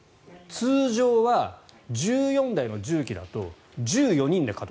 通常は１４台の重機だと１４人で稼働。